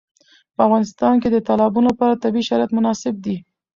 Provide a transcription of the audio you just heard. په افغانستان کې د تالابونو لپاره طبیعي شرایط مناسب دي.